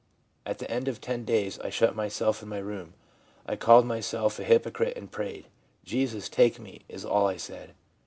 At the end of ten days I shut myself in my room. I called myself a hypocrite, and prayed. " Jesus, take me," is all I said.